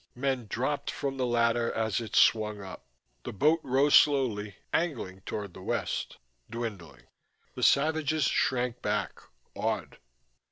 Men dropped from the ladder as it swung up. The boat rose slowly, angling toward the west, dwindling. The savages shrank back, awed.